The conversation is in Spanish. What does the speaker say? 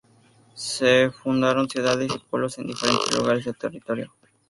Se fundaron ciudades y pueblos en diferentes lugares del territorio.